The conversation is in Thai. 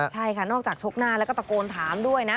ใช่ค่ะนอกจากชกหน้าแล้วก็ตะโกนถามด้วยนะ